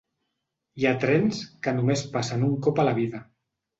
Hi ha trens que només passen un cop a la vida.